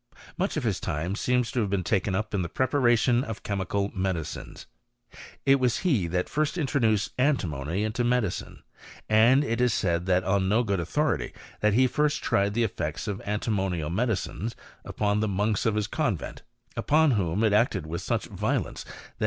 Much of his time seems to have been taken up in the preparation of chemical medicines. It was he that first introduced antinjiony into medicine ; and it is said, though on no good authority, that he first tried the effects of antimonial medicines upon the monks of his convent, upon whom it acted with such violence that.